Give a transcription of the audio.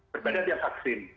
berbeda tiap vaksin